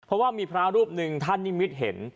เพราะว่ามีพระรูปหนึ่งท่านนิมิตเห็น